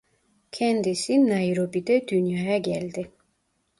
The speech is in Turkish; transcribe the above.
Kendisi Nairobi'de dünyaya geldi.